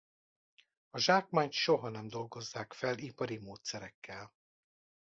A zsákmányt soha nem dolgozzák fel ipari módszerekkel.